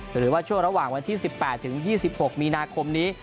หรือว่าช่วงระหว่างวันที่๑๘ถึง๒๖มีนาคมนี้